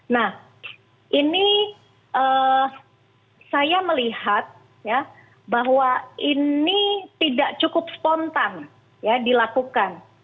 nah ini saya melihat ya bahwa ini tidak cukup spontan ya dilakukan